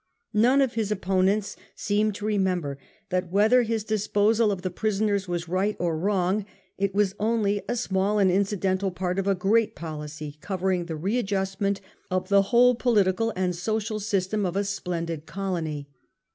None of his op ponents seemed to remember, that whether his dis posal of the prisoners was right or wrong, it was only a small and incidental part of a great policy covering the readjustment of the whole political and social system of a splendid colony.